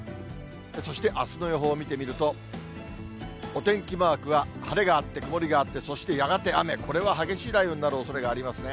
そして、あすの予報見てみると、お天気マークは晴れがあって曇りがあって、そしてやがて雨、これは激しい雷雨になるおそれがありますね。